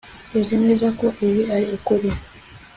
Uzi neza ko ibi ari ukuri